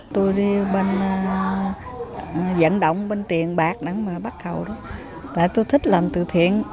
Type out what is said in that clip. tôi đi bên vận động bên tiền bạc để mà bắt cầu đó tại tôi thích làm từ thiện